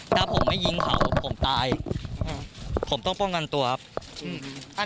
ถ้าผมไม่ยิงเขาผมตายอืมผมต้องป้องกันตัวครับอืม